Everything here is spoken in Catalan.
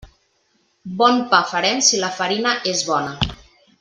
Bon pa farem si la farina és bona.